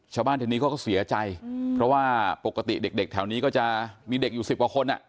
ชาวบ้านแถวนี้เขาก็เสียใจเพราะว่าปกติเด็กแถวนี้ก็จะมีเด็กอยู่สิบกว่าคนอ่ะ